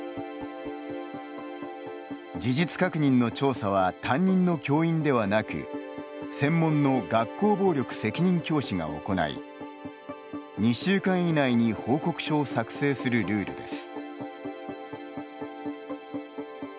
事実確認の調査は担任の教員ではなく専門の学校暴力責任教師が行い２週間以内に報告書を作成するルールです。